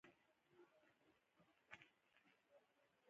د پوهنې وزارت تل زیار کاږي چې نصاب پراختیا ومومي.